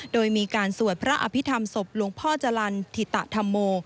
โดยมีการสวดพระอภิษฐรรมศพหลวงพ่อจรรย์ธิตธรรมโม